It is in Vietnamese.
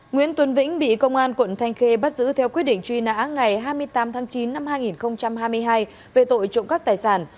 nguyễn tuấn vĩnh bị công an quận thanh khê bắt giữ theo quyết định truy nã ngày hai mươi tám tháng chín năm hai nghìn hai mươi hai về tội trộm cắp tài sản